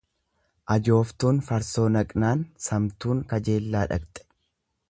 Ajooftuun farsoo naqnaan samtuun kajeellaa dhaqxe.